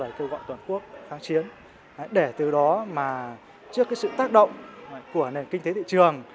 để kêu gọi toàn quốc kháng chiến để từ đó mà trước cái sự tác động của nền kinh tế thị trường